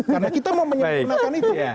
karena kita mau menyempurnakan itu